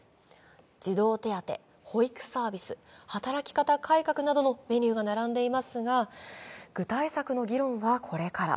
児童手当、保育サービス、働き方改革などのメニューが並んでいますが、具体策の議論はこれから。